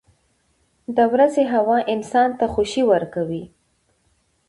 • د ورځې هوا انسان ته خوښي ورکوي.